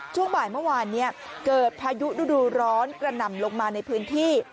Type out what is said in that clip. ช่วงบ่ายเมื่อวานนี้เกิดพายุฤดูร้อนกระหน่ำลงมาในพื้นที่